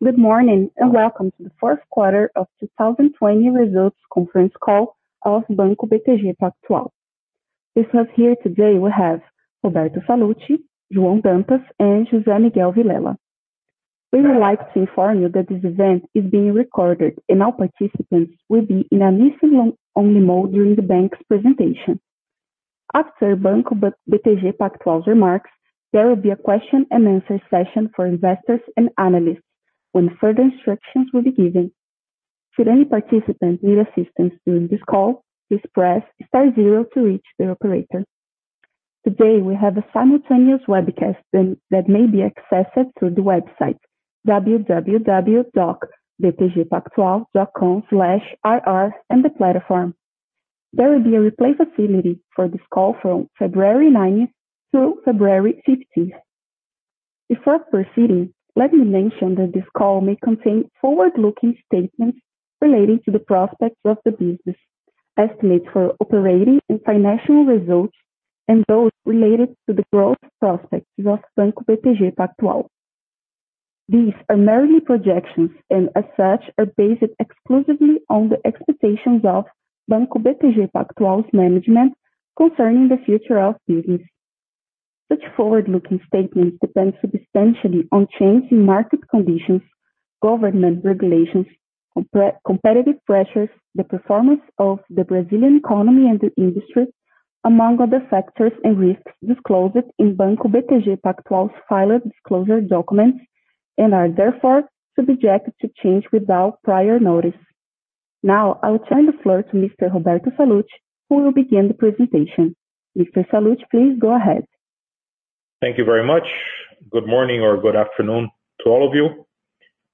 Good morning, and welcome to the fourth quarter of 2020 results conference call of Banco BTG Pactual. With us here today, we have Roberto Sallouti, João Dantas, and José Miguel Vilela. We would like to inform you that this event is being recorded, and all participants will be in a listen-only mode during the bank's presentation. After Banco BTG Pactual's remarks, there will be a question and answer session for investors and analysts, when further instructions will be given. Should any participant need assistance during this call, please press star zero to reach the operator. Today, we have a simultaneous webcast that may be accessed through the website www.btgpactual.com/rr and the platform. There will be a replay facility for this call from February 9th through February 15th. Before proceeding, let me mention that this call may contain forward-looking statements relating to the prospects of the business, estimates for operating and financial results, and those related to the growth prospects of Banco BTG Pactual. These are merely projections, and as such, are based exclusively on the expectations of Banco BTG Pactual's management concerning the future of business. Such forward-looking statements depend substantially on changes in market conditions, government regulations, competitive pressures, the performance of the Brazilian economy and the industry, among other factors and risks disclosed in Banco BTG Pactual's filed disclosure documents, and are therefore subject to change without prior notice. Now I will turn the floor to Mr. Roberto Sallouti who will begin the presentation. Mr. Sallouti, please go ahead. Thank you very much. Good morning or good afternoon to all of you.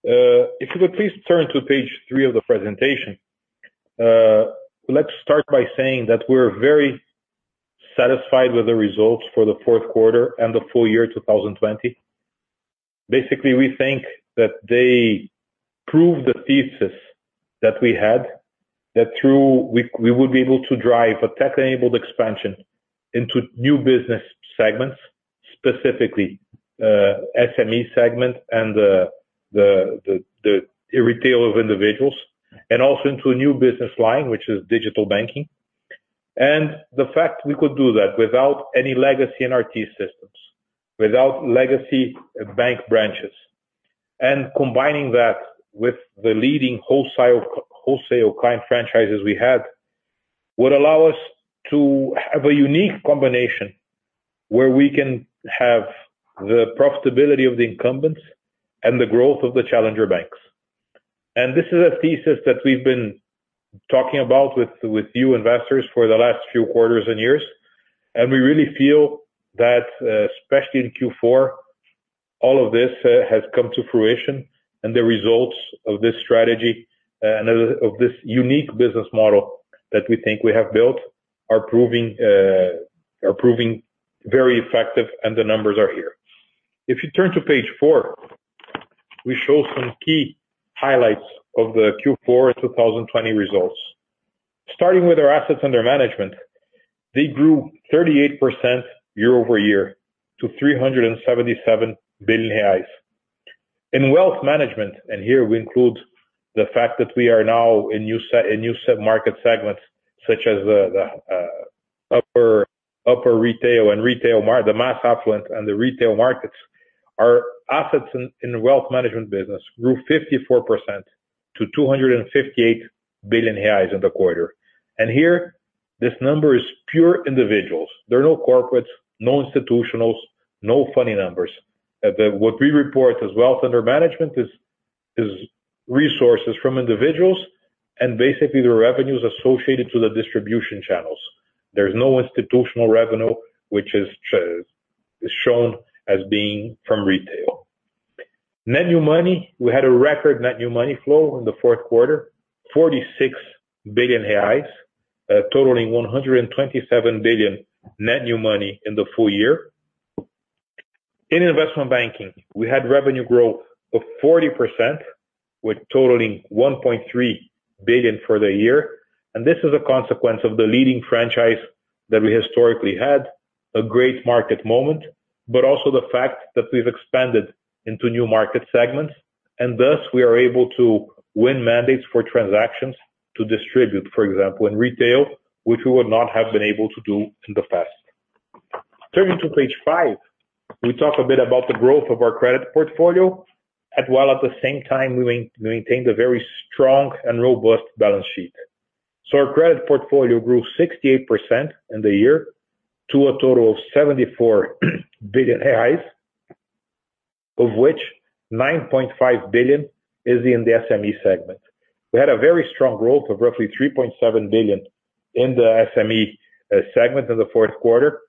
If you would please turn to page three of the presentation. Let's start by saying that we're very satisfied with the results for the fourth quarter and the full year 2020. Basically, we think that they prove the thesis that we had, that we would be able to drive a tech-enabled expansion into new business segments, specifically SME segment and the retail of individuals, and also into a new business line, which is digital banking. The fact we could do that without any legacy IT systems, without legacy bank branches. Combining that with the leading wholesale client franchises we had, would allow us to have a unique combination where we can have the profitability of the incumbents and the growth of the challenger banks. This is a thesis that we've been talking about with you investors for the last few quarters and years, and we really feel that, especially in Q4, all of this has come to fruition and the results of this strategy and of this unique business model that we think we have built are proving very effective and the numbers are here. If you turn to page four, we show some key highlights of the Q4 2020 results. Starting with our assets under management, they grew 38% year-over-year to 377 billion reais. In Wealth Management, and here we include the fact that we are now in new market segments such as the mass affluent and the retail markets. Our assets in the Wealth Management business grew 54% to 258 billion reais in the quarter. Here, this number is pure individuals. There are no corporates, no institutionals, no funny numbers. What we report as wealth under management is resources from individuals and basically the revenues associated to the distribution channels. There's no institutional revenue, which is shown as being from retail. Net new money, we had a record net new money flow in the fourth quarter, 46 billion reais, totaling 127 billion net new money in the full year. In Investment Banking, we had revenue growth of 40% with totaling 1.3 billion for the year. This is a consequence of the leading franchise that we historically had, a great market moment, but also the fact that we've expanded into new market segments. Thus, we are able to win mandates for transactions to distribute, for example, in retail, which we would not have been able to do in the past. Turning to page five, we talk a bit about the growth of our credit portfolio, while at the same time we maintain a very strong and robust balance sheet. Our credit portfolio grew 68% in the year to a total of 74 billion reais, of which 9.5 billion is in the SME segment. We had a very strong growth of roughly 3.7 billion in the SME segment in the fourth quarter.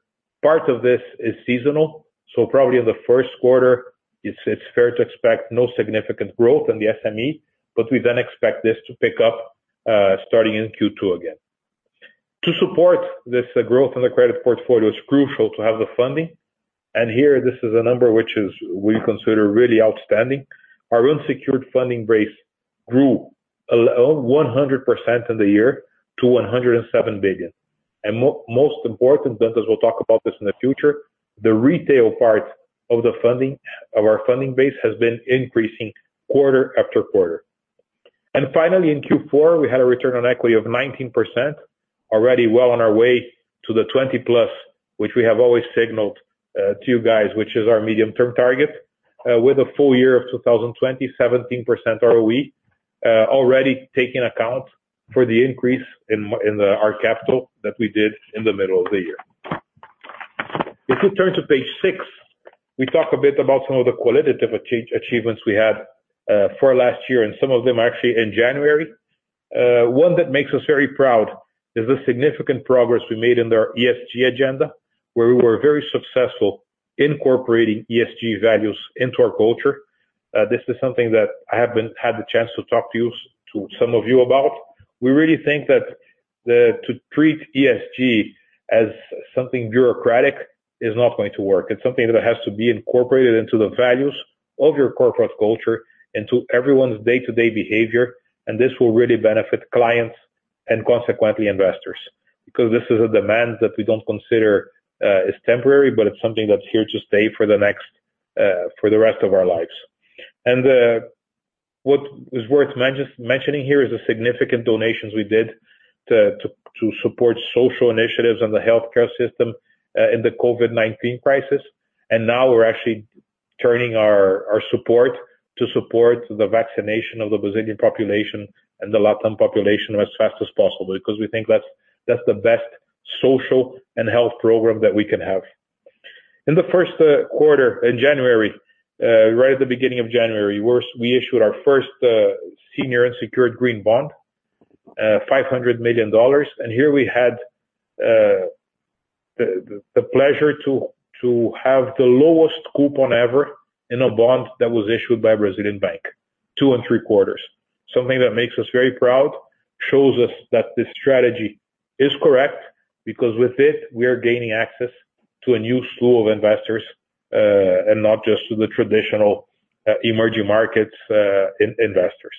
Part of this is seasonal, probably in the first quarter, it's fair to expect no significant growth in the SME, we then expect this to pick up, starting in Q2 again. To support this growth in the credit portfolio, it's crucial to have the funding. Here, this is a number which we consider really outstanding. Our unsecured funding base grew 100% in the year to 107 billion. Most important, Dantas will talk about this in the future, the retail part of our funding base has been increasing quarter after quarter. Finally, in Q4, we had a return on equity of 19%, already well on our way to the 20%+, which we have always signaled to you guys, which is our medium-term target. With a full year of 2020, 17% ROE, already taking account for the increase in our capital that we did in the middle of the year. If you turn to page six, we talk a bit about some of the qualitative achievements we had for last year, and some of them actually in January. One that makes us very proud is the significant progress we made in our ESG agenda, where we were very successful incorporating ESG values into our culture. This is something that I haven't had the chance to talk to some of you about. We really think that to treat ESG as something bureaucratic is not going to work. It's something that has to be incorporated into the values of your corporate culture, into everyone's day-to-day behavior, this will really benefit clients and consequently investors. This is a demand that we don't consider is temporary, but it's something that's here to stay for the rest of our lives. What is worth mentioning here is the significant donations we did to support social initiatives and the healthcare system in the COVID-19 crisis. Now we're actually turning our support to support the vaccination of the Brazilian population and the Latin population as fast as possible, because we think that's the best social and health program that we can have. In the first quarter, in January, right at the beginning of January, we issued our first senior unsecured green bond, $500 million. Here we had the pleasure to have the lowest coupon ever in a bond that was issued by a Brazilian bank, 2.75%. Something that makes us very proud, shows us that this strategy is correct, because with it, we are gaining access to a new slew of investors, and not just to the traditional emerging markets investors.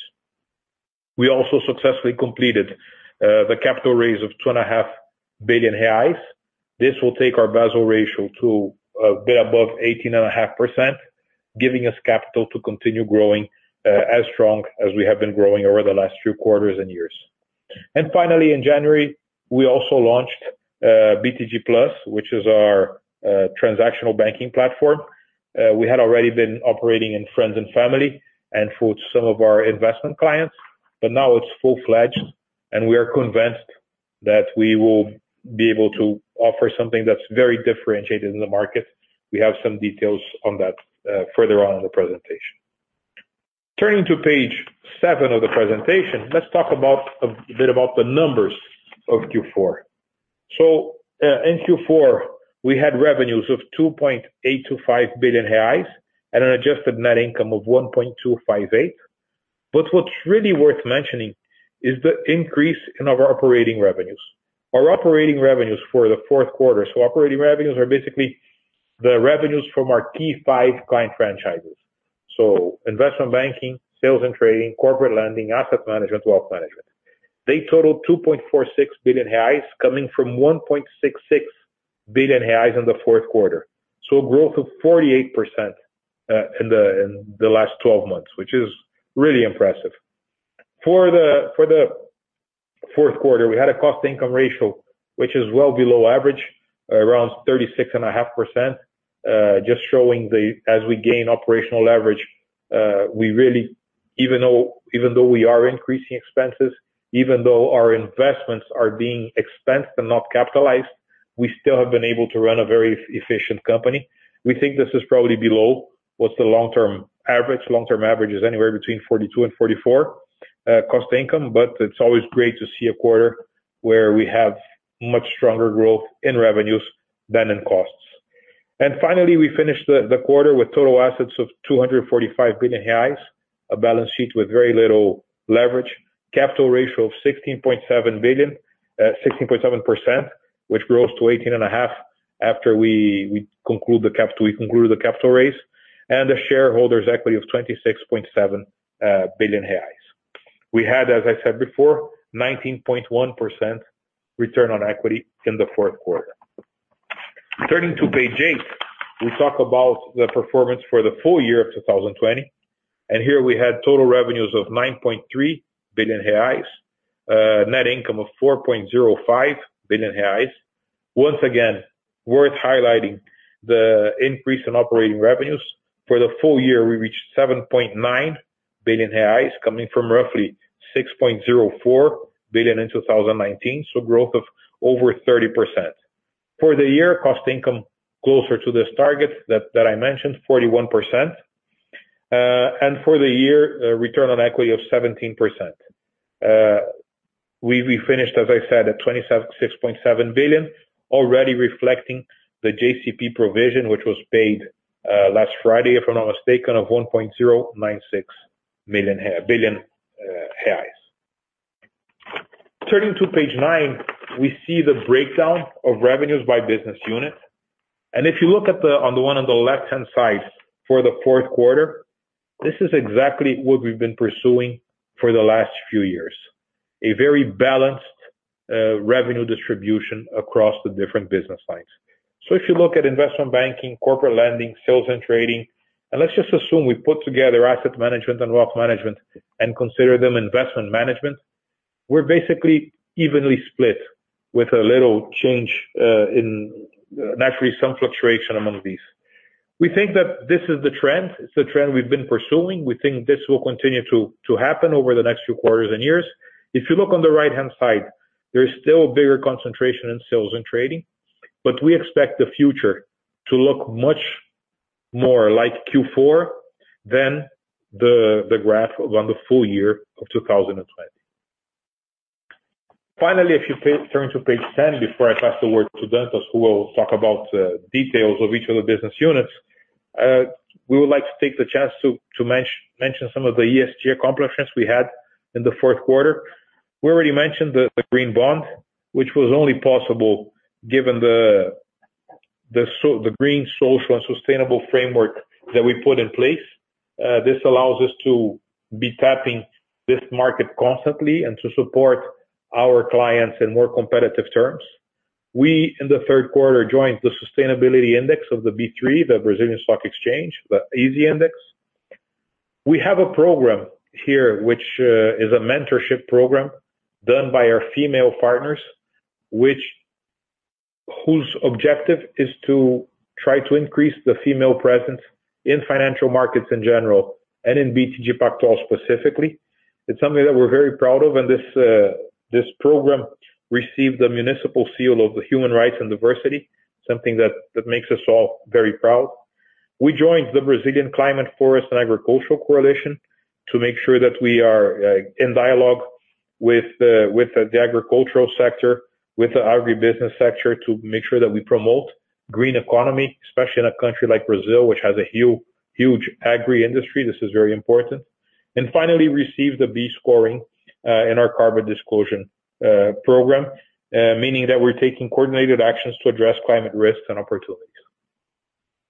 We also successfully completed the capital raise of 2.5 billion reais. This will take our Basel ratio to a bit above 18.5%, giving us capital to continue growing as strong as we have been growing over the last three quarters and years. Finally, in January, we also launched BTG+, which is our transactional banking platform. Now it's full-fledged and we are convinced that we will be able to offer something that's very differentiated in the market. We have some details on that further on in the presentation. Turning to page seven of the presentation, let's talk a bit about the numbers of Q4. In Q4, we had revenues of 2.825 billion reais and an adjusted net income of 1.258 billion. What's really worth mentioning is the increase in our operating revenues. Our operating revenues for the fourth quarter, operating revenues are basically the revenues from our key five client franchises. Investment Banking, Sales and Trading, Corporate Lending, Asset Management, Wealth Management. They totaled 2.46 billion reais coming from 1.66 billion reais in the fourth quarter. A growth of 48% in the last 12 months, which is really impressive. For the fourth quarter, we had a cost income ratio, which is well below average, around 36.5%, just showing as we gain operational leverage, even though we are increasing expenses, even though our investments are being expensed and not capitalized, we still have been able to run a very efficient company. We think this is probably below what's the long-term average. Long-term average is anywhere between 42%-44% cost income, but it's always great to see a quarter where we have much stronger growth in revenues than in costs. Finally, we finished the quarter with total assets of 245 billion reais, a balance sheet with very little leverage. Capital ratio of 16.7%, which grows to 18.5% after we conclude the capital raise, and a shareholders' equity of 26.7 billion reais. We had, as I said before, 19.1% return on equity in the fourth quarter. Turning to page eight, we talk about the performance for the full year of 2020. Here we had total revenues of 9.3 billion reais, net income of 4.05 billion reais. Once again, worth highlighting the increase in operating revenues. For the full year, we reached 7.9 billion reais coming from roughly 6.04 billion in 2019, so growth of over 30%. For the year, cost income closer to this target that I mentioned, 41%. For the year, a return on equity of 17%. We finished, as I said, at 26.7 billion, already reflecting the JCP provision, which was paid last Friday, if I'm not mistaken, of 1.096 billion reais. Turning to page nine, we see the breakdown of revenues by business unit. If you look at the one on the left-hand side for the fourth quarter, this is exactly what we've been pursuing for the last few years, a very balanced revenue distribution across the different business lines. If you look at Investment Banking, Corporate Lending, Sales and Trading, and let's just assume we put together Asset Management and Wealth Management and consider them investment management, we're basically evenly split with a little change, naturally, some fluctuation among these. We think that this is the trend. It's the trend we've been pursuing. We think this will continue to happen over the next few quarters and years. If you look on the right-hand side, there is still a bigger concentration in Sales and Trading, but we expect the future to look much more like Q4 than the graph on the full year of 2020. Finally, if you turn to page 10 before I pass the word to Dantas, who will talk about details of each of the business units, we would like to take the chance to mention some of the ESG accomplishments we had in the fourth quarter. We already mentioned the green bond, which was only possible given the green social and sustainable framework that we put in place. This allows us to be tapping this market constantly and to support our clients in more competitive terms. We, in the third quarter, joined the sustainability index of the B3, the Brazilian Stock Exchange, the ISE index. We have a program here, which is a mentorship program done by our female partners, whose objective is to try to increase the female presence in financial markets in general and in BTG Pactual specifically. It's something that we're very proud of. This program received the municipal seal of the human rights and diversity, something that makes us all very proud. We joined the Brazilian Coalition on Climate, Forests and Agriculture to make sure that we are in dialogue with the agricultural sector, with the agri-business sector to make sure that we promote green economy, especially in a country like Brazil, which has a huge agri industry. This is very important. Finally, received a B scoring in our carbon disclosure program, meaning that we're taking coordinated actions to address climate risks and opportunities.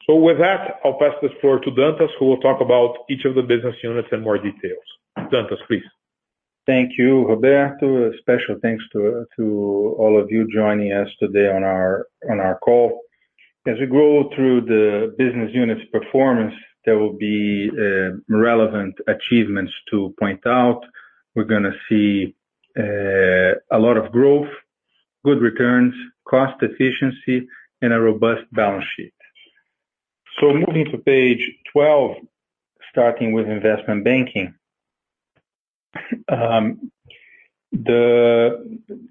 With that, I'll pass this floor to Dantas, who will talk about each of the business units in more details. Dantas, please. Thank you, Roberto. A special thanks to all of you joining us today on our call. As we go through the business units' performance, there will be relevant achievements to point out. We're going to see a lot of growth, good returns, cost efficiency, and a robust balance sheet. Moving to page 12, starting with Investment Banking. Here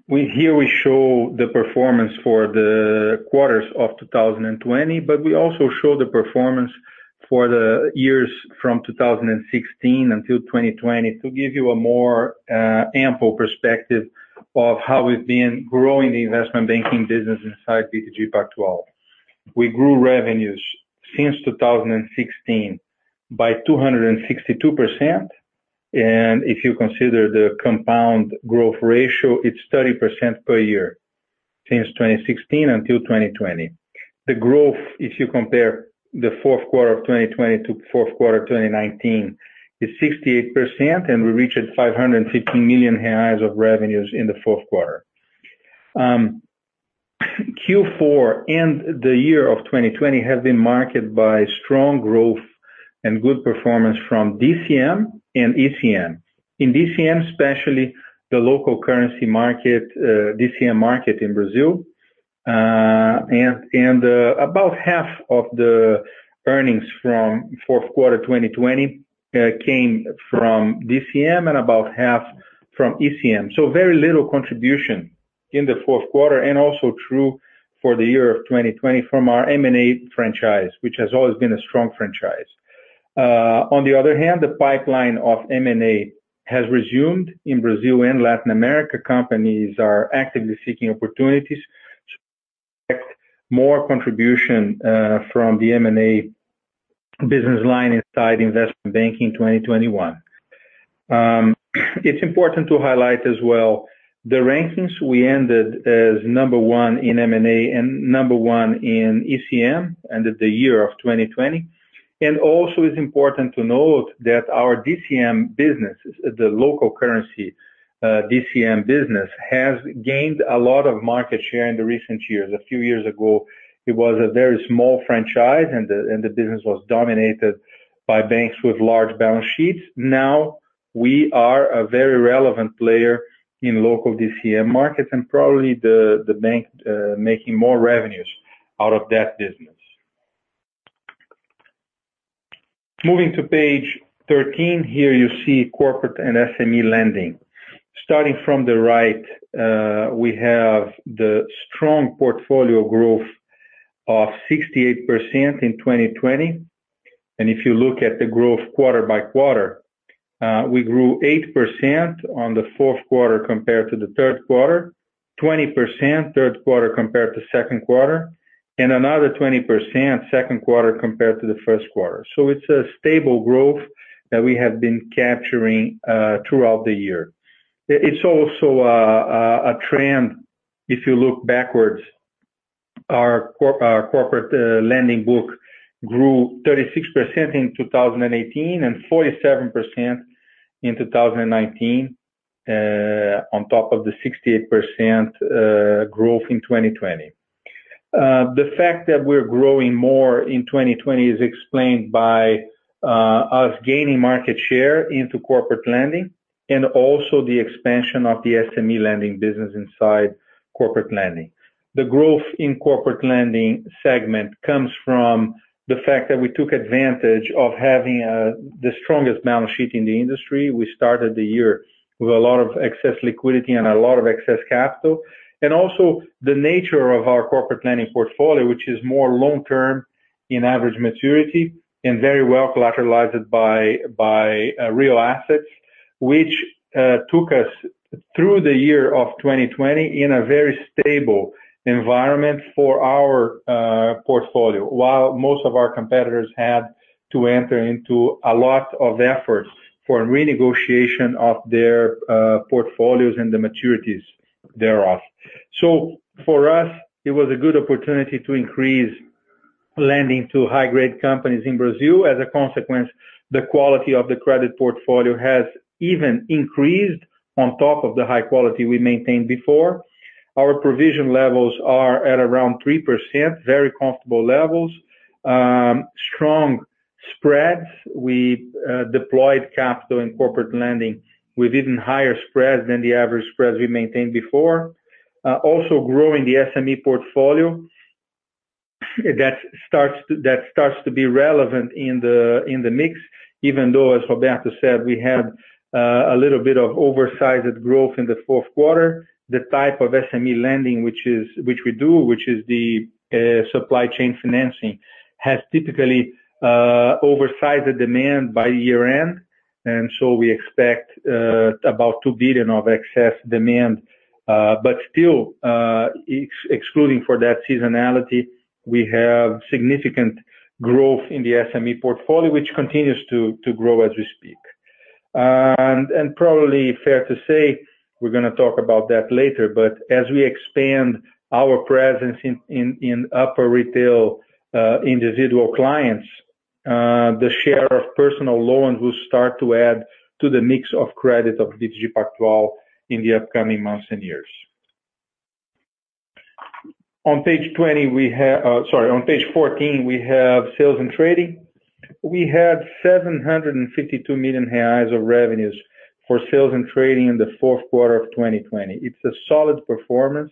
we show the performance for the quarters of 2020, but we also show the performance for the years from 2016 until 2020 to give you a more ample perspective of how we've been growing the Investment Banking business inside BTG Pactual. We grew revenues since 2016 by 262%, and if you consider the compound growth ratio, it's 30% per year since 2016 until 2020. The growth, if you compare the fourth quarter of 2020 to fourth quarter 2019, is 68%, and we reached 550 million reais of revenues in the fourth quarter. Q4 and the year of 2020 have been marked by strong growth and good performance from DCM and ECM. In DCM, especially the local currency market, DCM market in Brazil, and about half of the earnings from fourth quarter 2020 came from DCM and about half from ECM. Very little contribution in the fourth quarter, and also true for the year of 2020 from our M&A franchise, which has always been a strong franchise. On the other hand, the pipeline of M&A has resumed in Brazil and Latin America. Companies are actively seeking opportunities to get more contribution from the M&A business line inside Investment Banking 2021. It's important to highlight as well the rankings. We ended as number one in M&A and number one in ECM end of the year of 2020. Also, it's important to note that our DCM business, the local currency DCM business, has gained a lot of market share in the recent years. A few years ago, it was a very small franchise, and the business was dominated by banks with large balance sheets. Now we are a very relevant player in local DCM markets and probably the bank making more revenues out of that business. Moving to page 13, here you see Corporate and SME Lending. Starting from the right, we have the strong portfolio growth of 68% in 2020. If you look at the growth quarter by quarter, we grew 8% on the fourth quarter compared to the third quarter, 20% third quarter compared to second quarter, and another 20% second quarter compared to the first quarter. It's a stable growth that we have been capturing throughout the year. It's also a trend if you look backwards. Our Corporate Lending book grew 36% in 2018 and 47% in 2019, on top of the 68% growth in 2020. The fact that we're growing more in 2020 is explained by us gaining market share into Corporate Lending, and also the expansion of the SME lending business inside Corporate Lending. The growth in Corporate Lending segment comes from the fact that we took advantage of having the strongest balance sheet in the industry. We started the year with a lot of excess liquidity and a lot of excess capital. Also the nature of our Corporate Lending portfolio, which is more long-term in average maturity and very well collateralized by real assets, which took us through the year of 2020 in a very stable environment for our portfolio. While most of our competitors had to enter into a lot of efforts for renegotiation of their portfolios and the maturities thereof. For us, it was a good opportunity to increase lending to high-grade companies in Brazil. As a consequence, the quality of the credit portfolio has even increased on top of the high quality we maintained before. Our provision levels are at around 3%, very comfortable levels. Strong spreads. We deployed capital and Corporate Lending with even higher spreads than the average spreads we maintained before. Growing the SME portfolio, that starts to be relevant in the mix, even though, as Roberto said, we had a little bit of oversized growth in the fourth quarter. The type of SME lending, which we do, which is the supply chain financing, has typically oversized the demand by year-end. We expect about 2 billion of excess demand. Still, excluding for that seasonality, we have significant growth in the SME portfolio, which continues to grow as we speak. Probably fair to say, we're going to talk about that later, but as we expand our presence in upper retail individual clients, the share of personal loans will start to add to the mix of credit of BTG Pactual Digital in the upcoming months and years. On page 20, sorry, on page 14, we have Sales and Trading. We had 752 million reais of revenues for Sales and Trading in the fourth quarter of 2020. It's a solid performance,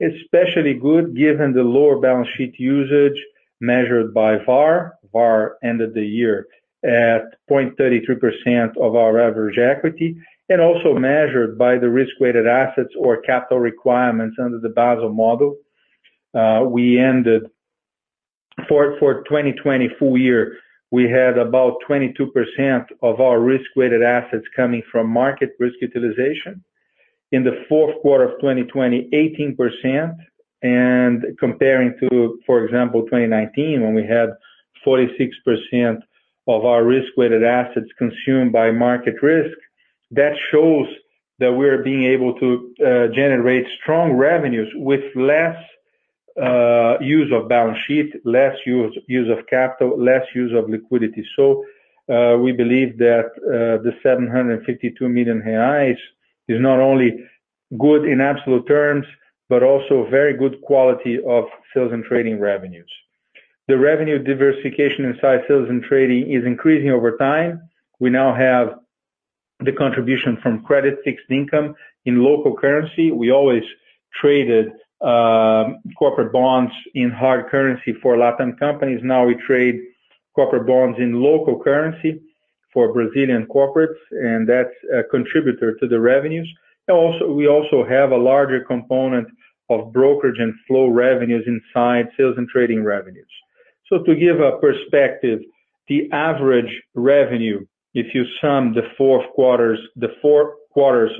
especially good given the lower balance sheet usage measured by VaR. VaR ended the year at 0.33% of our average equity, and also measured by the risk-weighted assets or capital requirements under the Basel model. For 2020 full year, we had about 22% of our risk-weighted assets coming from market risk utilization. In the fourth quarter of 2020, 18%, comparing to, for example, 2019, when we had 46% of our risk-weighted assets consumed by market risk. That shows that we're being able to generate strong revenues with less use of balance sheet, less use of capital, less use of liquidity. We believe that the 752 million reais is not only good in absolute terms, but also very good quality of Sales and Trading revenues. The revenue diversification inside Sales and Trading is increasing over time. We now have the contribution from credit fixed income in local currency. We always traded corporate bonds in hard currency for LATAM companies. We trade corporate bonds in local currency for Brazilian corporates. That's a contributor to the revenues. We also have a larger component of brokerage and flow revenues inside Sales and Trading revenues. To give a perspective, the average revenue, if you sum the four quarters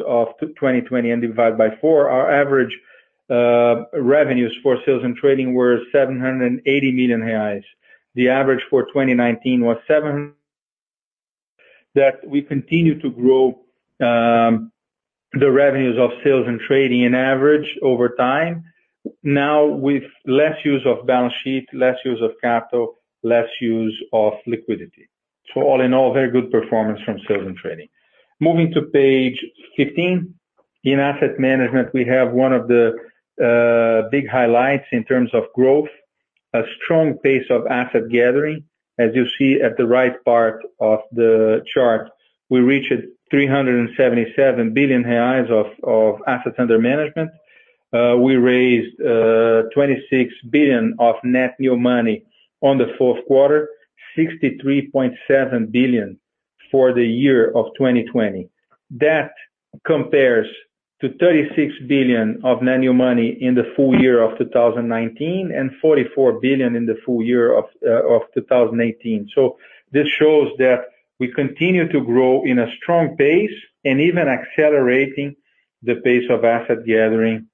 of 2020 and divide by four, our average revenues for Sales and Trading were 780 million reais. The average for 2019 was seven. We continue to grow the revenues of Sales and Trading in average over time. Now with less use of balance sheet, less use of capital, less use of liquidity. All in all, very good performance from Sales and Trading. Moving to page 15. In Asset Management, we have one of the big highlights in terms of growth, a strong pace of asset gathering. As you see at the right part of the chart, we reached 377 billion reais of assets under management. We raised 26 billion of net new money on the fourth quarter, 63.7 billion for the year of 2020. That compares to 36 billion of net new money in the full year of 2019, and 44 billion in the full year of 2018. This shows that we continue to grow in a strong pace and even accelerating the pace of asset gathering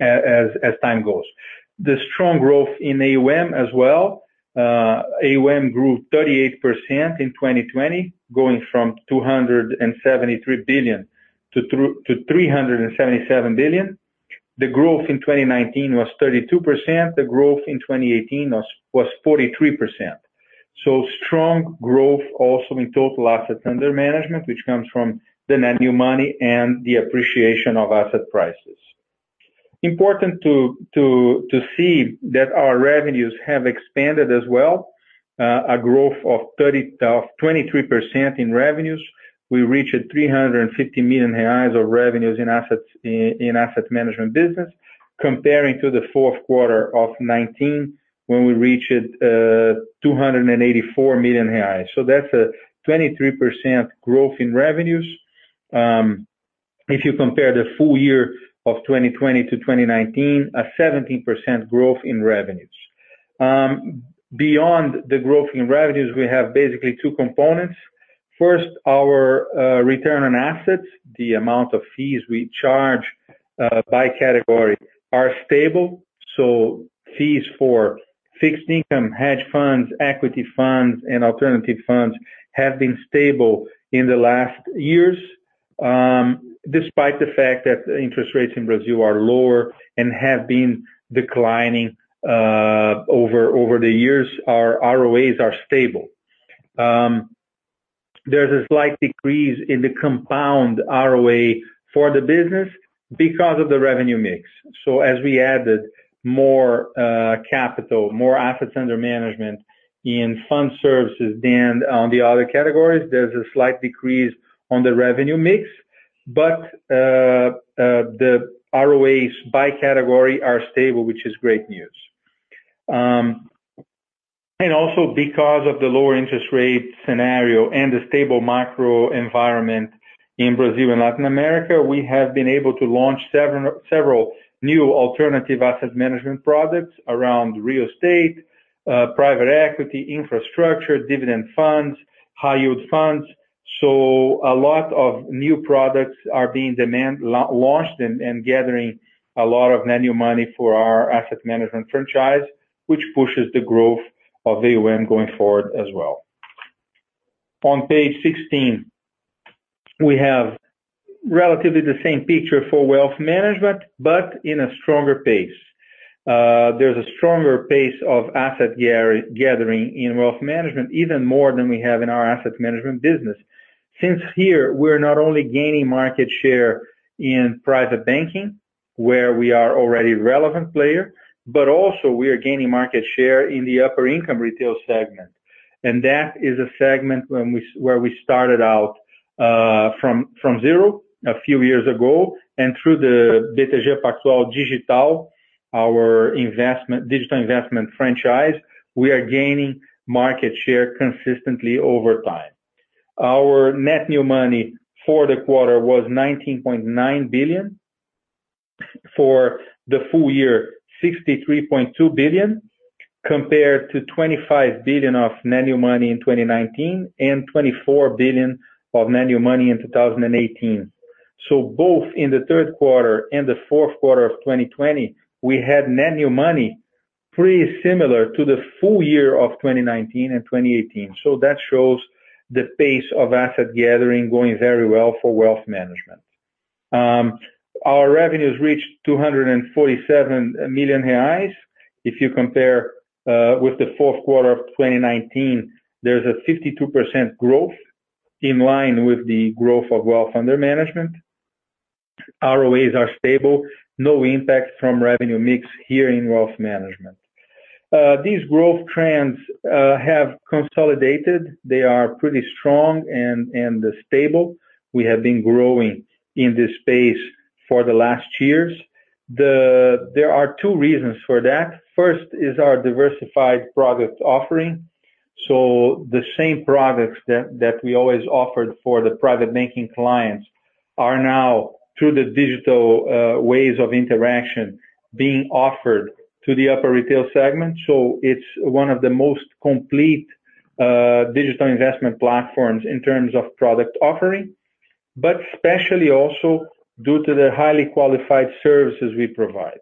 as time goes. The strong growth in AUM as well. AUM grew 38% in 2020, going from 273 billion-377 billion. The growth in 2019 was 32%. The growth in 2018 was 43%. Strong growth also in total assets under management, which comes from the net new money and the appreciation of asset prices. Important to see that our revenues have expanded as well. A growth of 23% in revenues. We reached 350 million reais of revenues in Asset Management business, comparing to the fourth quarter of 2019 when we reached 284 million reais. That's a 23% growth in revenues. If you compare the full year of 2020 to 2019, a 17% growth in revenues. Beyond the growth in revenues, we have basically two components. First, our return on assets, the amount of fees we charge by category are stable. Fees for fixed income, hedge funds, equity funds, and alternative funds have been stable in the last years. Despite the fact that interest rates in Brazil are lower and have been declining over the years, our ROAs are stable. There's a slight decrease in the compound ROA for the business because of the revenue mix. As we added more capital, more assets under management in fund services than on the other categories, there's a slight decrease on the revenue mix. The ROAs by category are stable, which is great news. Also because of the lower interest rate scenario and the stable macro environment in Brazil and Latin America, we have been able to launch several new alternative Asset Management products around real estate, private equity infrastructure, dividend funds, high yield funds. A lot of new products are being launched and gathering a lot of net new money for our Asset Management franchise, which pushes the growth of AUM going forward as well. On page 16, we have relatively the same picture for Wealth Management, but in a stronger pace. Here, we're not only gaining market share in Private Banking, where we are already a relevant player, but also we are gaining market share in the upper-income retail segment. That is a segment where we started out from zero a few years ago, and through the BTG Pactual Digital, our digital investment franchise, we are gaining market share consistently over time. Our net new money for the quarter was 19.9 billion. For the full year, 63.2 billion compared to 25 billion of net new money in 2019 and 24 billion of net new money in 2018. Both in the third quarter and the fourth quarter of 2020, we had net new money pretty similar to the full year of 2019 and 2018. That shows the pace of asset gathering going very well for Wealth Management. Our revenues reached 247 million reais. If you compare with the fourth quarter of 2019, there's a 52% growth in line with the growth of wealth under management. ROAs are stable. No impact from revenue mix here in Wealth Management. These growth trends have consolidated. They are pretty strong and stable. We have been growing in this space for the last years. There are two reasons for that. First is our diversified product offering. The same products that we always offered for the private banking clients are now, through the digital ways of interaction, being offered to the upper retail segment. It's one of the most complete digital investment platforms in terms of product offering, but especially also due to the highly qualified services we provide.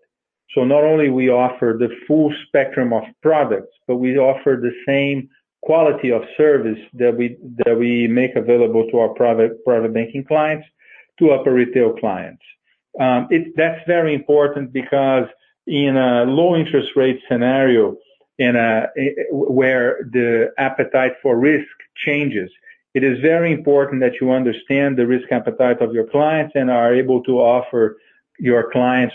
Not only we offer the full spectrum of products, but we offer the same quality of service that we make available to our private banking clients to upper retail clients. That's very important because in a low interest rate scenario, where the appetite for risk changes, it is very important that you understand the risk appetite of your clients and are able to offer your clients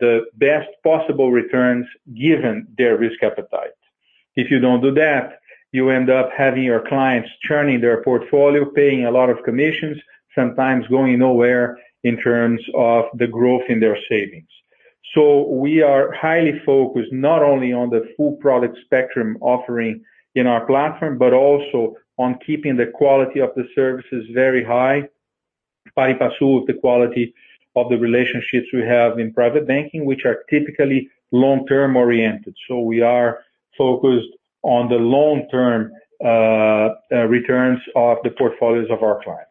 the best possible returns given their risk appetite. If you don't do that, you end up having your clients churning their portfolio, paying a lot of commissions, sometimes going nowhere in terms of the growth in their savings. We are highly focused not only on the full product spectrum offering in our platform, but also on keeping the quality of the services very high, pari passu with the quality of the relationships we have in private banking, which are typically long-term oriented. We are focused on the long-term returns of the portfolios of our clients.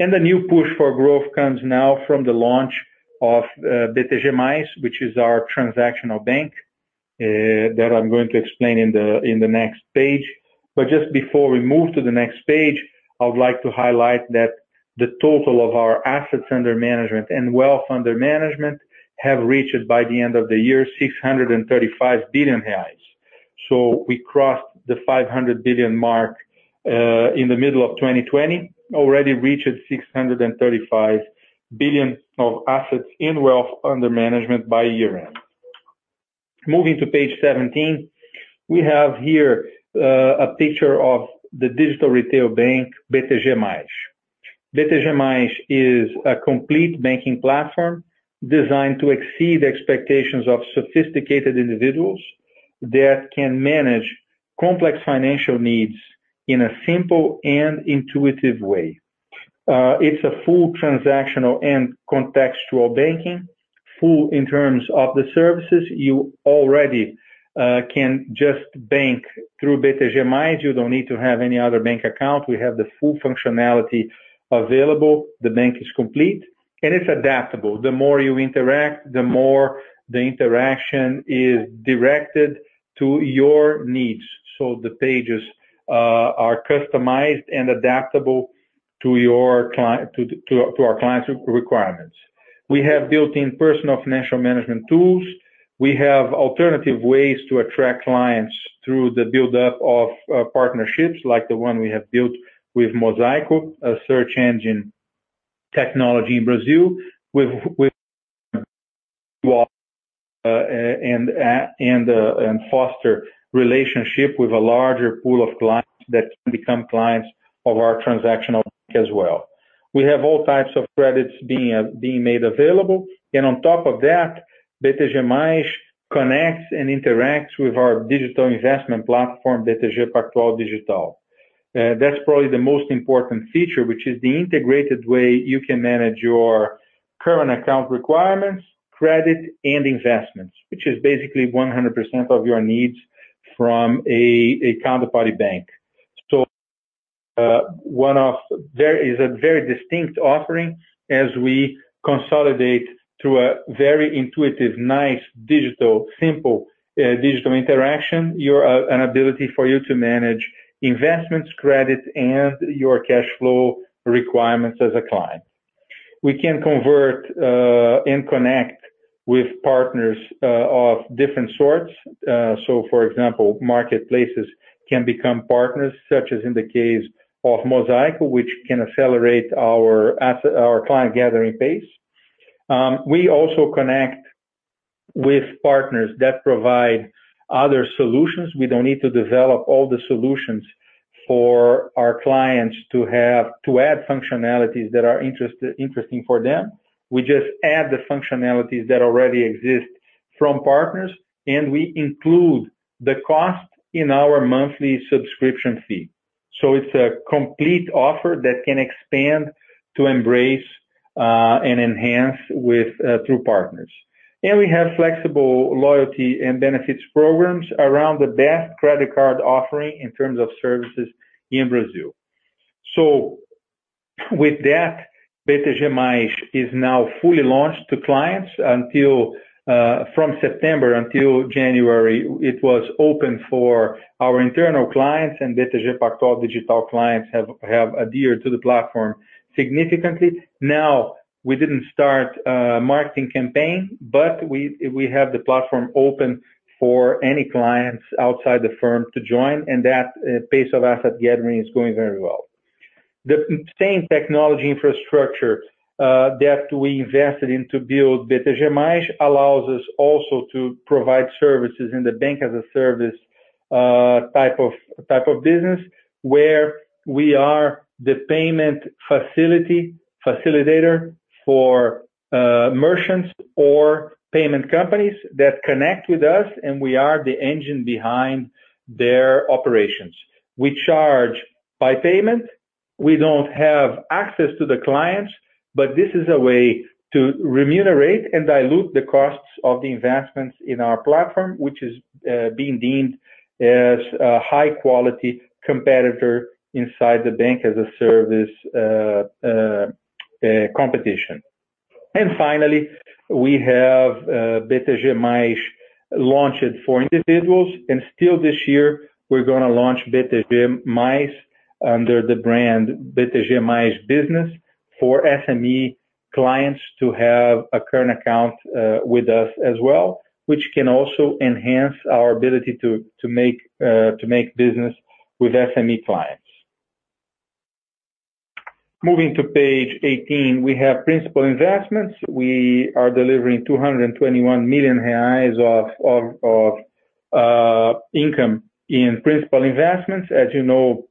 And the new push for growth comes now from the launch of BTG+, which is our transactional bank, that I'm going to explain in the next page. Just before we move to the next page, I would like to highlight that the total of our assets under management and wealth under management have reached, by the end of the year, 635 billion reais. We crossed the 500 billion mark in the middle of 2020, already reached 635 billion of assets in wealth under management by year-end. Moving to page 17. We have here a picture of the digital retail bank, BTG+. BTG+ is a complete banking platform designed to exceed the expectations of sophisticated individuals that can manage complex financial needs in a simple and intuitive way. It's a full transactional and contextual banking. Full in terms of the services, you already can just bank through BTG+, you don't need to have any other bank account. We have the full functionality available. The bank is complete, and it's adaptable. The more you interact, the more the interaction is directed to your needs. The pages are customized and adaptable to our clients' requirements. We have built-in personal financial management tools. We have alternative ways to attract clients through the buildup of partnerships, like the one we have built with Mosaico, a search engine technology in Brazil. Foster relationship with a larger pool of clients that can become clients of our transactional bank as well. We have all types of credits being made available. On top of that, BTG+ connects and interacts with our digital investment platform, BTG Pactual Digital. That's probably the most important feature, which is the integrated way you can manage your current account requirements, credit, and investments, which is basically 100% of your needs from a counterparty bank. There is a very distinct offering as we consolidate through a very intuitive, nice, simple digital interaction, an ability for you to manage investments, credit, and your cash flow requirements as a client. We can convert and connect with partners of different sorts. For example, marketplaces can become partners, such as in the case of Mosaico, which can accelerate our client-gathering pace. We also connect with partners that provide other solutions. We don't need to develop all the solutions for our clients to add functionalities that are interesting for them. We just add the functionalities that already exist from partners, and we include the cost in our monthly subscription fee. It's a complete offer that can expand to embrace and enhance through partners. We have flexible loyalty and benefits programs around the best credit card offering in terms of services in Brazil. With that, BTG+ is now fully launched to clients. From September until January, it was open for our internal clients, and BTG Pactual Digital clients have adhered to the platform significantly. We didn't start a marketing campaign, but we have the platform open for any clients outside the firm to join, and that pace of asset gathering is going very well. The same technology infrastructure that we invested in to build BTG+ allows us also to provide services in the bank as a service type of business where we are the payment facilitator for merchants or payment companies that connect with us, and we are the engine behind their operations. We charge by payment. We don't have access to the clients, but this is a way to remunerate and dilute the costs of the investments in our platform, which is being deemed as a high-quality competitor inside the bank as a service competition. Finally, we have BTG+ launched for individuals, and still this year, we're going to launch BTG+ under the brand BTG+ Business for SME clients to have a current account with us as well, which can also enhance our ability to make business with SME clients. Moving to page 18, we have principal investments. We are delivering 221 million reais of income in principal investments. As you know,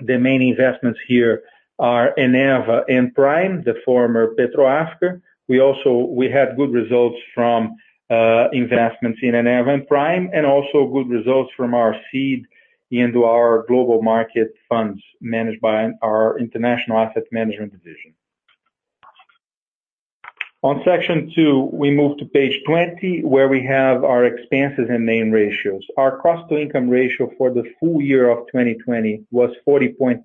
the main investments here are Eneva and Prisma, the former PetroRecôncavo. We had good results from investments in Eneva and Prisma, and also good results from our seed into our global market funds managed by our international Asset Management division. On section two, we move to page 20, where we have our expenses and main ratios. Our cost-to-income ratio for the full year of 2020 was 40.9%.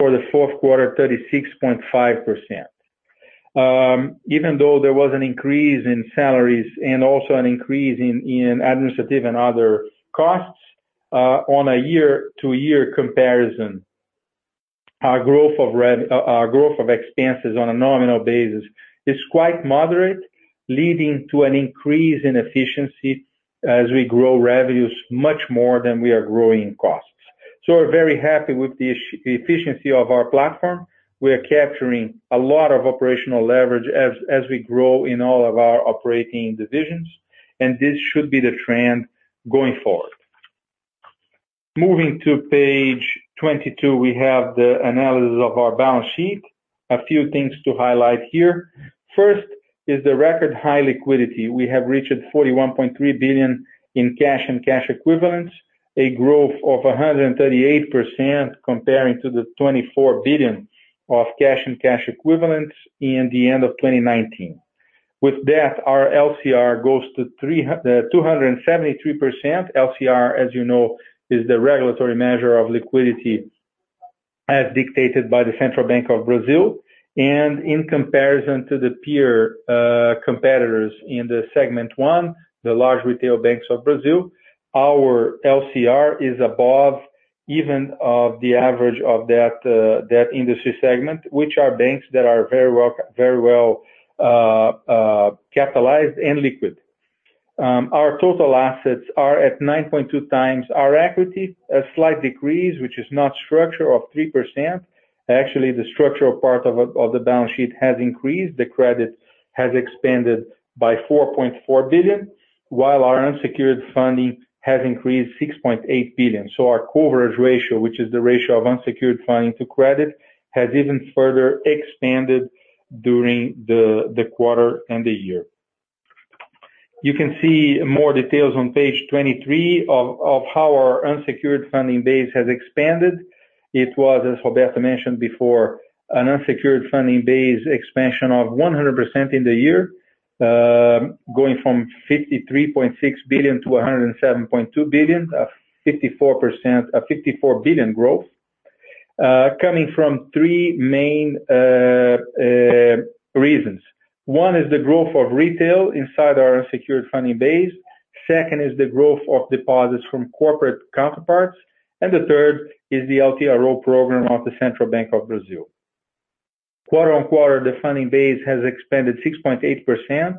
For the fourth quarter, 36.5%. Even though there was an increase in salaries and also an increase in administrative and other costs on a year-to-year comparison, our growth of expenses on a nominal basis is quite moderate, leading to an increase in efficiency as we grow revenues much more than we are growing costs. We're very happy with the efficiency of our platform. We are capturing a lot of operational leverage as we grow in all of our operating divisions, and this should be the trend going forward. Moving to page 22, we have the analysis of our balance sheet. A few things to highlight here. First is the record high liquidity. We have reached 41.3 billion in cash and cash equivalents, a growth of 138% comparing to the 24 billion of cash and cash equivalents in the end of 2019. With that, our LCR goes to 273%. LCR, as you know, is the regulatory measure of liquidity as dictated by the Central Bank of Brazil. In comparison to the peer competitors in the segment 1, the large retail banks of Brazil, our LCR is above even of the average of that industry segment, which are banks that are very well capitalized and liquid. Our total assets are at 9.2 times our equity. A slight decrease, which is not structural, of 3%. Actually, the structural part of the balance sheet has increased. The credit has expanded by 4.4 billion, while our unsecured funding has increased 6.8 billion. Our coverage ratio, which is the ratio of unsecured funding to credit, has even further expanded during the quarter and the year. You can see more details on page 23 of how our unsecured funding base has expanded. It was, as Roberto mentioned before, an unsecured funding base expansion of 100% in the year, going from 53.6 billion-107.2 billion, a 54 billion growth, coming from three main reasons. One is the growth of retail inside our unsecured funding base. Second is the growth of deposits from corporate counterparts. The third is the LTRO program of the Central Bank of Brazil. Quarter-on-quarter, the funding base has expanded 6.8%,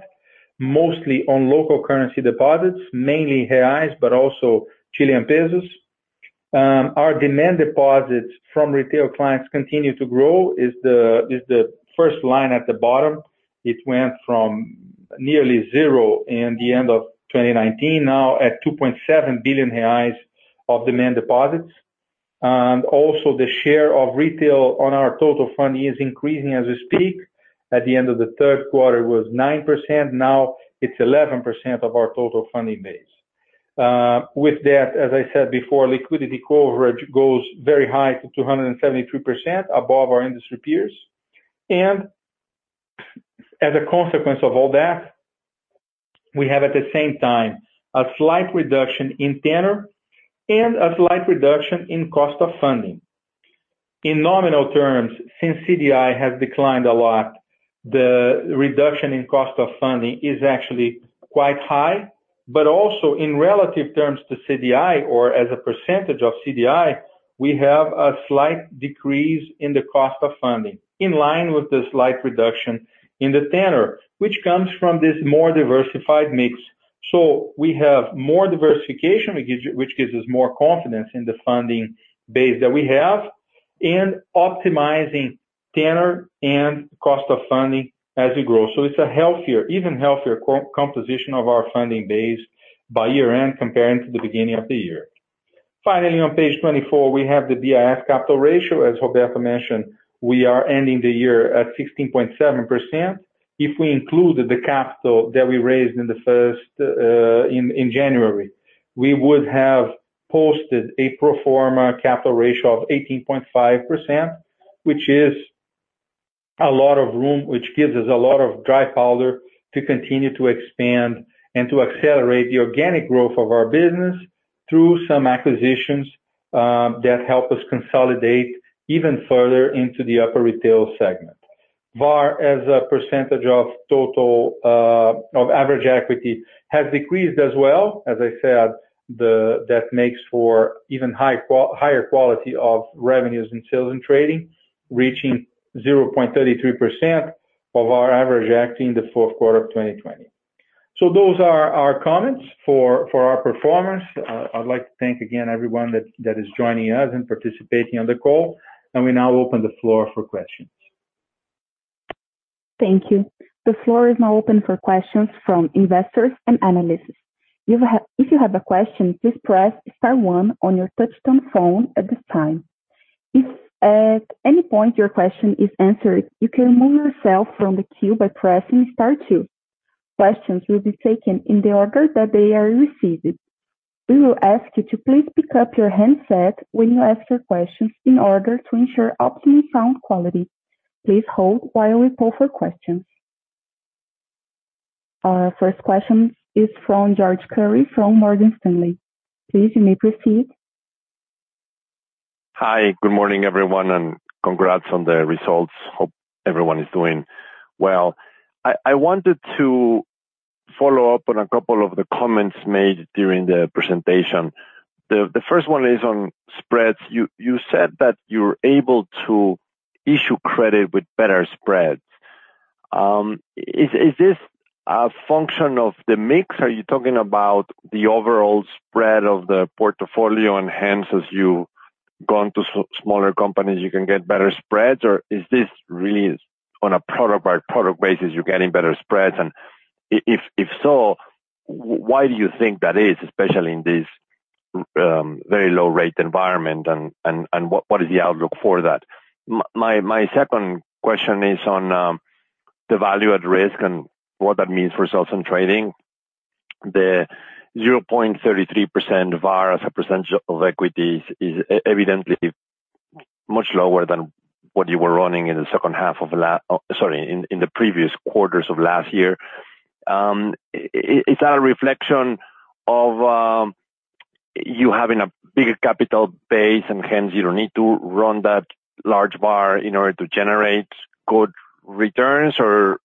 mostly on local currency deposits, mainly reais, but also Chilean pesos. Our demand deposits from retail clients continue to grow, is the first line at the bottom. It went from nearly zero in the end of 2019, now at 2.7 billion reais of demand deposits. Also the share of retail on our total funding is increasing as we speak. At the end of the third quarter was 9%, now it's 11% of our total funding base. With that, as I said before, liquidity coverage goes very high to 273% above our industry peers. As a consequence of all that, we have at the same time a slight reduction in tenor and a slight reduction in cost of funding. In nominal terms, since CDI has declined a lot, the reduction in cost of funding is actually quite high. Also in relative terms to CDI or as a percentage of CDI, we have a slight decrease in the cost of funding, in line with the slight reduction in the tenor, which comes from this more diversified mix. We have more diversification, which gives us more confidence in the funding base that we have, and optimizing tenor and cost of funding as we grow. It's an even healthier composition of our funding base by year-end comparing to the beginning of the year. Finally, on page 24, we have the BIS capital ratio. As Roberto mentioned, we are ending the year at 16.7%. If we include the capital that we raised in January, we would have posted a pro forma capital ratio of 18.5%, which gives us a lot of dry powder to continue to expand and to accelerate the organic growth of our business through some acquisitions that help us consolidate even further into the upper retail segment. VaR as a percentage of average equity has decreased as well. As I said, that makes for even higher quality of revenues and Sales and Trading, reaching 0.33% of our average equity in the fourth quarter of 2020. Those are our comments for our performance. I'd like to thank again everyone that is joining us and participating on the call, and we now open the floor for questions. Thank you. The floor is now open for questions from investors and analysts. Our first question is from Jorge Kuri from Morgan Stanley. Please, you may proceed. Hi. Good morning, everyone, and congrats on the results. Hope everyone is doing well. I wanted to follow up on a couple of the comments made during the presentation. The first one is on spreads. You said that you're able to issue credit with better spreads. Is this a function of the mix? Are you talking about the overall spread of the portfolio, and hence, as you go into smaller companies, you can get better spreads? Or is this really on a product-by-product basis, you're getting better spreads? If so, why do you think that is, especially in this very low-rate environment? What is the outlook for that? My second question is on the Value at Risk and what that means for Sales and Trading. The 0.33% VaR as a percentage of equities is evidently much lower than what you were running in the previous quarters of last year. Is that a reflection of you having a bigger capital base and hence you don't need to run that large VaR in order to generate good returns, or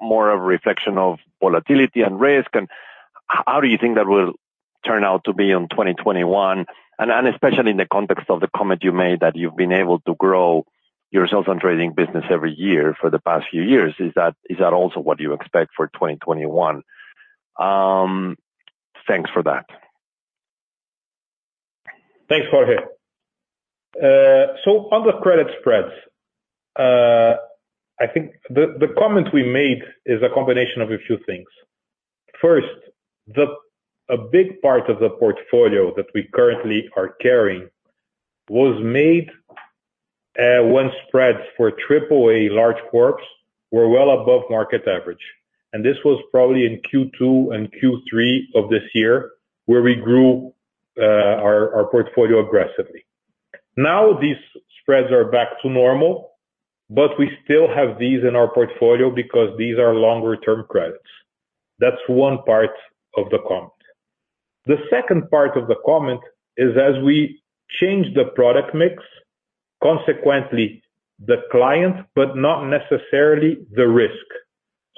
more a reflection of volatility and risk? How do you think that will turn out to be in 2021, and especially in the context of the comment you made that you've been able to grow your Sales and Trading business every year for the past few years? Is that also what you expect for 2021? Thanks for that. Thanks, Jorge. On the credit spreads, I think the comment we made is a combination of a few things. First, a big part of the portfolio that we currently are carrying was made when spreads for AAA large corps were well above market average, and this was probably in Q2 and Q3 of this year, where we grew our portfolio aggressively. Now these spreads are back to normal, we still have these in our portfolio because these are longer-term credits. That's one part of the comment. The second part of the comment is as we change the product mix, consequently the client, not necessarily the risk.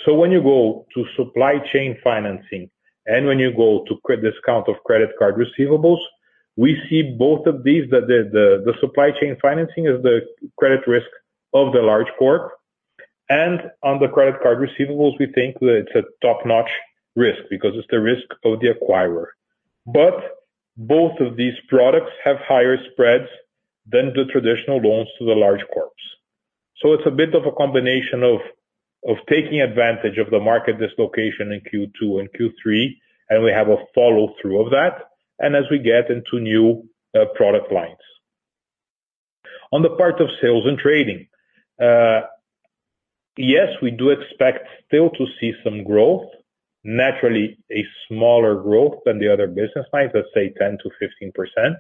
When you go to supply chain financing and when you go to discount of credit card receivables, we see both of these, that the supply chain financing is the credit risk of the large corp. On the credit card receivables, we think that it's a top-notch risk because it's the risk of the acquirer. Both of these products have higher spreads than the traditional loans to the large corps. It's a bit of a combination of taking advantage of the market dislocation in Q2 and Q3, and we have a follow-through of that, and as we get into new product lines. On the part of Sales and Trading, yes, we do expect still to see some growth, naturally a smaller growth than the other business lines of, say, 10%-15%.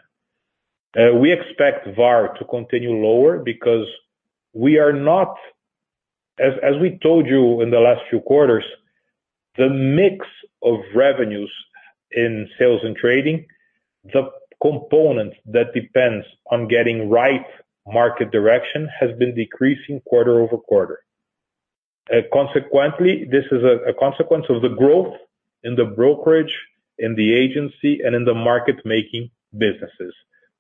We expect VaR to continue lower because we are not, as we told you in the last few quarters, the mix of revenues in Sales and Trading, the component that depends on getting right market direction, has been decreasing quarter-over-quarter. This is a consequence of the growth in the brokerage, in the agency, and in the market-making businesses,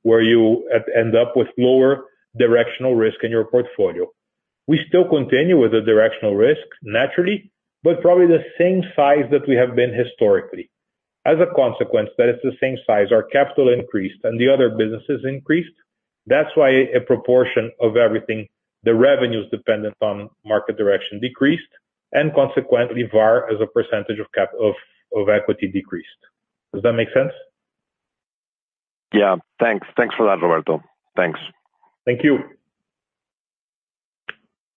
where you end up with lower directional risk in your portfolio. We still continue with the directional risk naturally, but probably the same size that we have been historically. As a consequence, that it's the same size, our capital increased, and the other businesses increased. That's why a proportion of everything, the revenues dependent on market direction decreased, and consequently, VaR as a percentage of capital equity decreased. Does that make sense? Yeah. Thanks for that, Roberto. Thanks. Thank you.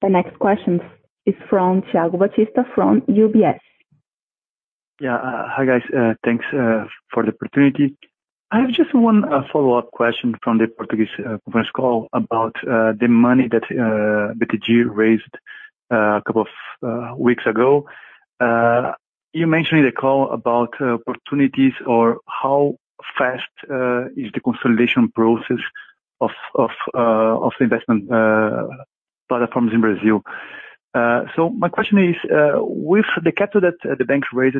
The next question is from Thiago Batista from UBS. Hi, guys. Thanks for the opportunity. I have just one follow-up question from the Portuguese conference call about the money that BTG raised a couple of weeks ago. You mentioned in the call about opportunities or how fast is the consolidation process of investment platforms in Brazil. My question is, with the capital that the banks raised,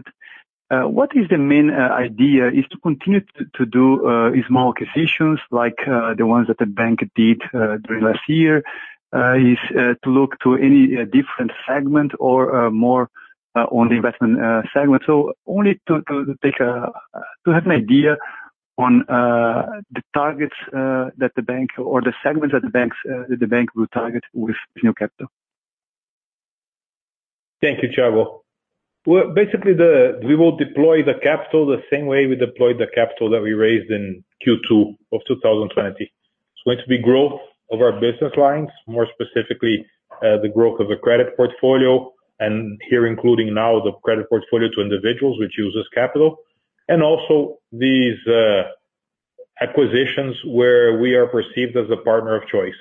what is the main idea? Is to continue to do small acquisitions like the ones that the bank did during last year? Is to look to any different segment or more on the investment segment? Only to have an idea on the targets that the bank or the segments that the bank will target with new capital. Thank you, Thiago. Well, basically, we will deploy the capital the same way we deployed the capital that we raised in Q2 of 2020. It's going to be growth of our business lines, more specifically, the growth of the credit portfolio, and here including now the credit portfolio to individuals, which uses capital. Also these acquisitions where we are perceived as a partner of choice.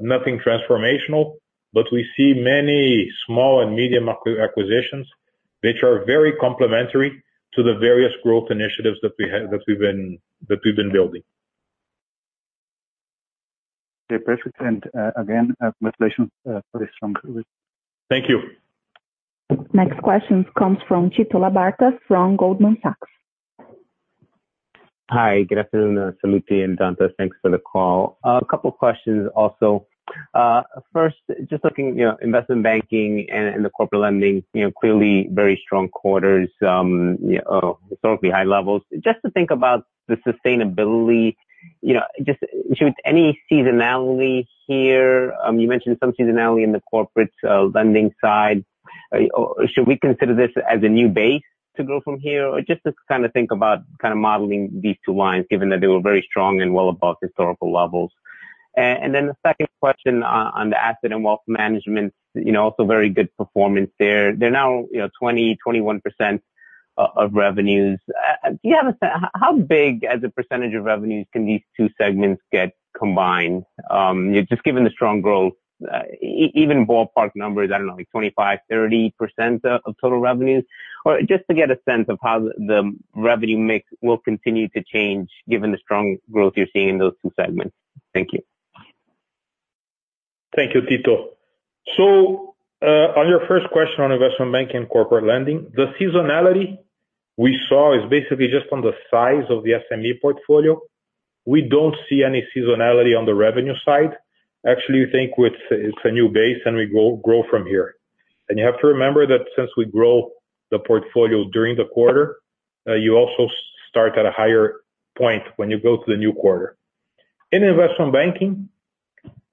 Nothing transformational. We see many small and medium acquisitions which are very complementary to the various growth initiatives that we've been building. Okay, perfect. Again, congratulations for this strong release. Thank you. Next question comes from Tito Labarta from Goldman Sachs. Hi. Good afternoon, Sallouti and Dantas. Thanks for the call. A couple of questions also. Just looking Investment Banking and the Corporate Lending, clearly very strong quarters, historically high levels. You mentioned some seasonality in the Corporate Lending side. Should we consider this as a new base to grow from here? Just to think about modeling these two lines, given that they were very strong and well above historical levels. The second question on the Asset and Wealth Management, also very good performance there. They're now 20%, 21% of revenues. How big as a percentage of revenues can these two segments get combined, just given the strong growth, even ballpark numbers, I don't know, like 25%, 30% of total revenues? Just to get a sense of how the revenue mix will continue to change given the strong growth you're seeing in those two segments. Thank you Thank you, Tito. On your first question on Investment Banking and Corporate Lending, the seasonality we saw is basically just on the size of the SME portfolio. We don't see any seasonality on the revenue side. Actually, we think it's a new base and we grow from here. You have to remember that since we grow the portfolio during the quarter, you also start at a higher point when you go to the new quarter. In Investment Banking,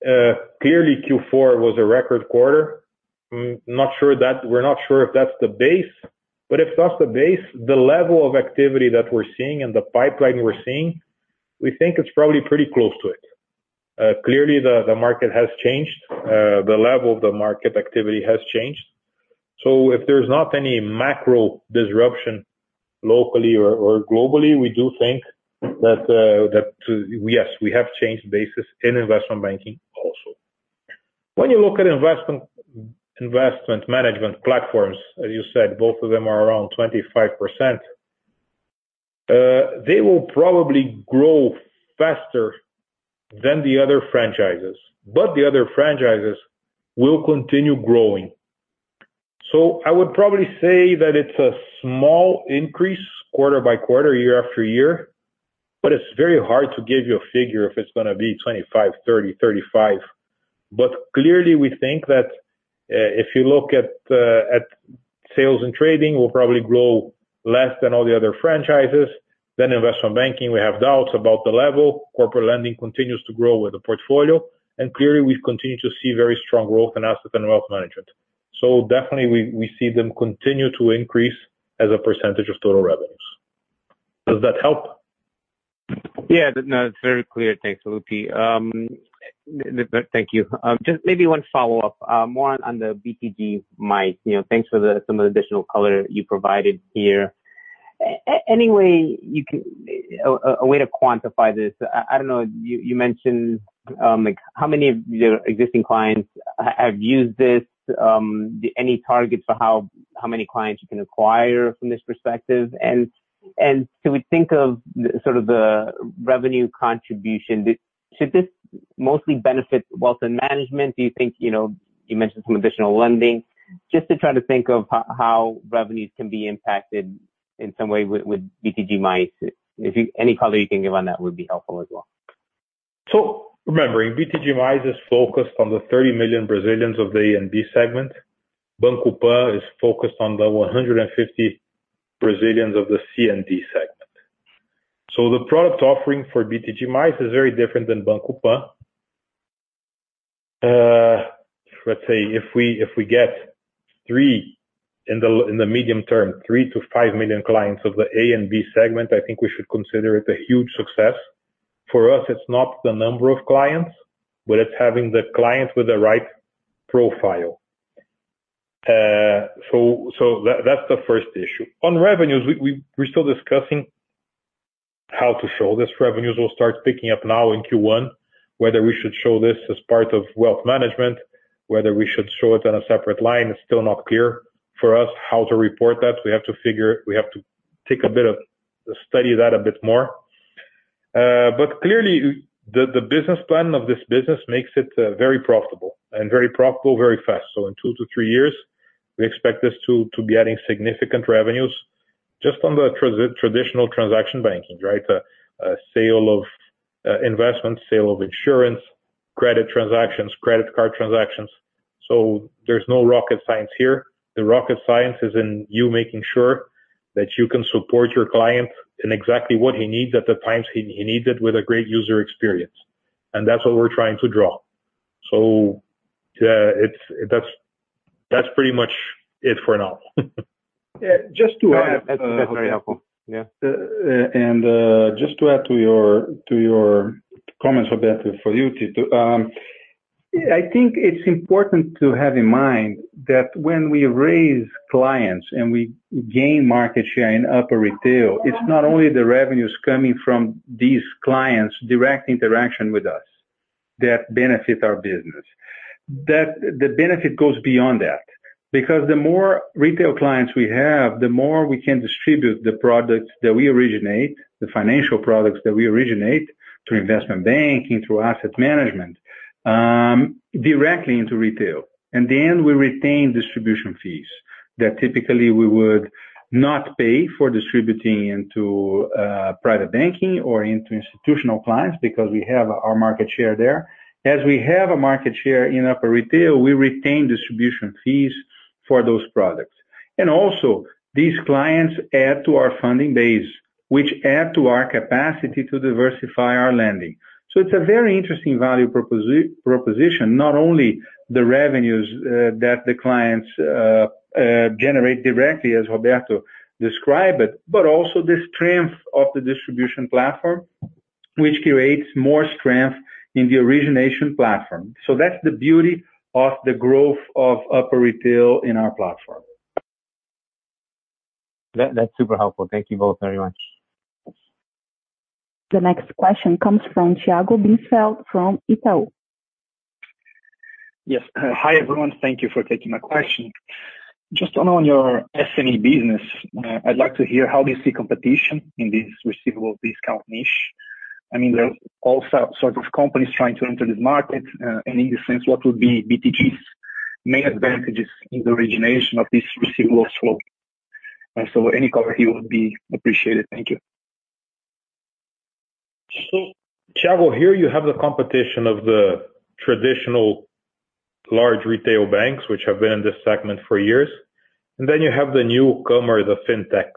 clearly Q4 was a record quarter. We're not sure if that's the base, but if that's the base, the level of activity that we're seeing and the pipeline we're seeing, we think it's probably pretty close to it. Clearly, the market has changed. The level of the market activity has changed. If there's not any macro disruption locally or globally, we do think that, yes, we have changed basis in Investment Banking also. When you look at investment management platforms, as you said, both of them are around 25%. They will probably grow faster than the other franchises, but the other franchises will continue growing. I would probably say that it's a small increase quarter by quarter, year after year, but it's very hard to give you a figure if it's going to be 25%, 30%, 35%. Clearly, we think that if you look at Sales and Trading, we'll probably grow less than all the other franchises. Investment Banking, we have doubts about the level. Corporate Lending continues to grow with the portfolio, and clearly, we've continued to see very strong growth in Asset and Wealth Management. Definitely, we see them continue to increase as a percentage of total revenues. Does that help? Yeah. No, it's very clear. Thanks, Sallouti. Thank you. Maybe one follow-up, more on the BTG Pactual. Thanks for some of the additional color you provided here. A way to quantify this. I don't know, you mentioned, like how many of your existing clients have used this? Any targets for how many clients you can acquire from this perspective? We think of the revenue contribution. Should this mostly benefit Wealth Management? Do you think? You mentioned some additional lending. To try to think of how revenues can be impacted in some way with BTG Pactual. Any color you can give on that would be helpful as well. Remembering, BTG Pactual is focused on the 30 million Brazilians of the A and B segment. Banco PAN is focused on the 150 million Brazilians of the C and D segment. The product offering for BTG Pactual is very different than Banco PAN. Let's say if we get three in the medium term, 3 million-5 million clients of the A and B segment, I think we should consider it a huge success. For us, it's not the number of clients, but it's having the clients with the right profile. That's the first issue. On revenues, we're still discussing how to show this. Revenues will start picking up now in Q1, whether we should show this as part of Wealth Management, whether we should show it on a separate line. It's still not clear for us how to report that. We have to study that a bit more. Clearly, the business plan of this business makes it very profitable, and very profitable very fast. In two to three years, we expect this to be adding significant revenues just on the traditional transaction banking. A sale of investment, sale of insurance, credit transactions, credit card transactions. There's no rocket science here. The rocket science is in you making sure that you can support your client in exactly what he needs at the times he needs it with a great user experience. That's what we're trying to draw. That's pretty much it for now. Yeah. That's very helpful. Yeah. Just to add to your comments, Roberto, for you too. I think it's important to have in mind that when we raise clients and we gain market share in upper retail, it's not only the revenues coming from these clients' direct interaction with us that benefit our business. The benefit goes beyond that because the more retail clients we have, the more we can distribute the products that we originate, the financial products that we originate, to Investment Banking, through Asset Management, directly into retail. In the end, we retain distribution fees that typically we would not pay for distributing into private banking or into institutional clients because we have our market share there. As we have a market share in upper retail, we retain distribution fees for those products. Also, these clients add to our funding base, which add to our capacity to diversify our lending. It's a very interesting value proposition, not only the revenues that the clients generate directly as Roberto described it, but also the strength of the distribution platform, which creates more strength in the origination platform. That's the beauty of the growth of upper retail in our platform. That's super helpful. Thank you both very much. The next question comes from Tiago Binsfeld from Itaú. Yes. Hi, everyone. Thank you for taking my question. Just on your SME business, I'd like to hear how do you see competition in this receivable discount niche. There are all sorts of companies trying to enter this market. In this sense, what would be BTG's main advantages in the origination of this receivable book? Any comment here would be appreciated. Thank you. Tiago, here you have the competition of the traditional large retail banks, which have been in this segment for years, and then you have the newcomer, the fintechs.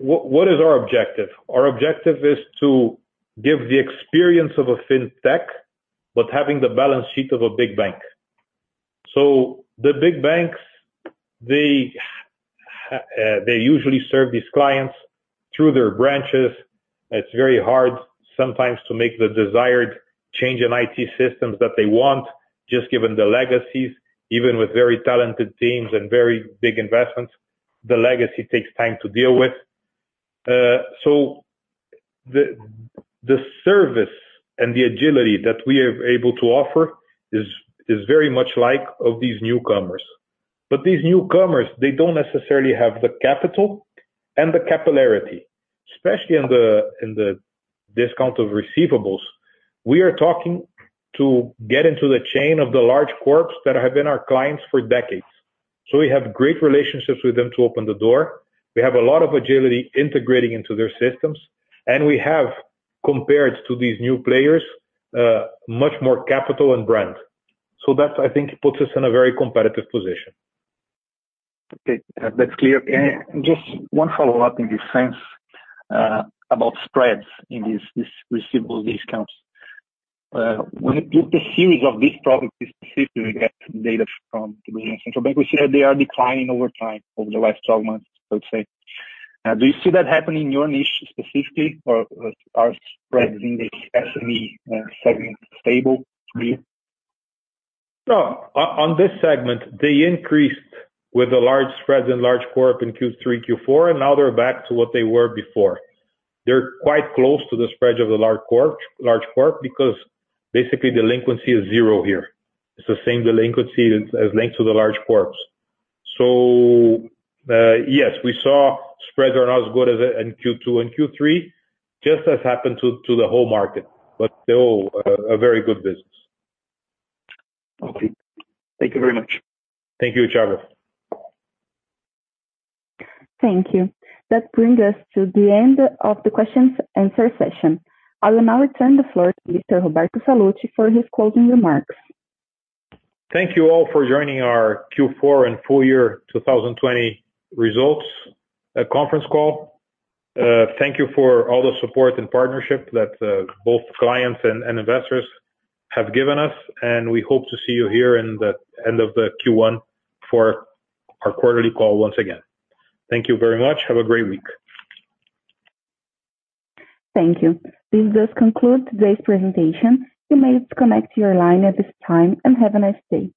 What is our objective? Our objective is to give the experience of a fintech, having the balance sheet of a big bank. The big banks, they usually serve these clients through their branches. It's very hard sometimes to make the desired change in IT systems that they want, just given the legacies, even with very talented teams and very big investments. The legacy takes time to deal with. The service and the agility that we are able to offer is very much like of these newcomers. These newcomers, they don't necessarily have the capital and the capillarity, especially in the discount of receivables. We are talking to get into the chain of the large corps that have been our clients for decades. We have great relationships with them to open the door. We have a lot of agility integrating into their systems, and we have, compared to these new players, much more capital and brand. That, I think, puts us in a very competitive position. Okay. That's clear. Just one follow-up in this sense, about spreads in these receivable discounts. When you look at the series of these products specifically, we get data from the Brazilian Central Bank. We see that they are declining over time, over the last 12 months, let's say. Do you see that happening in your niche specifically, or are spreads in the SME segment stable to you? No. On this segment, they increased with the large spreads in large corp in Q3, Q4, and now they're back to what they were before. They're quite close to the spread of the large corp because basically delinquency is zero here. It's the same delinquency as linked to the large corps. Yes, we saw spreads are not as good in Q2 and Q3, just as happened to the whole market, but still a very good business. Okay. Thank you very much. Thank you, Tiago. Thank you. That brings us to the end of the questions and answer session. I will now return the floor to Mr. Roberto Sallouti for his closing remarks. Thank you all for joining our Q4 and full year 2020 results conference call. Thank you for all the support and partnership that both clients and investors have given us. We hope to see you here in the end of the Q1 for our quarterly call once again. Thank you very much. Have a great week. Thank you. This does conclude today's presentation. You may disconnect your line at this time, and have a nice day.